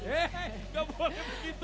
hei ga boleh begitu